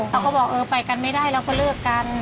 เขาก็บอกเออไปกันไม่ได้เราก็เลิกกัน